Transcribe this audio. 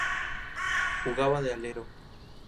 Jugaba de alero.